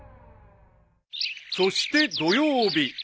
［そして土曜日］